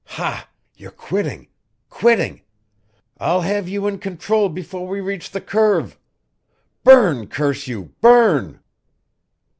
Hah! You're quitting quitting. I'll have you in control before we reach the curve. Burn, curse you, burn!"